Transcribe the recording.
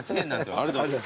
ありがとうございます。